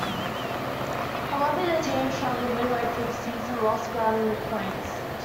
However, the team struggled midway through the season and lost ground in the points.